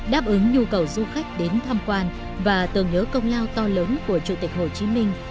đáp ứng nhu cầu du khách đến tham quan và tưởng nhớ công lao to lớn của chủ tịch hồ chí minh